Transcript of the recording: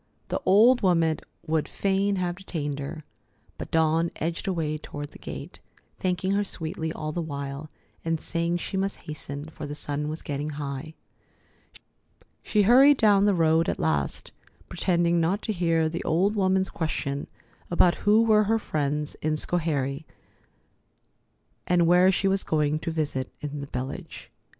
The old woman would fain have detained her, but Dawn edged away toward the gate, thanking her sweetly all the while, and saying she must hasten, for the sun was getting high. She hurried down the road at last, pretending not to hear the old woman's question about who were her friends in Schoharie, and where she was going to visit in the village.